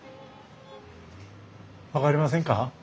分かりませんか？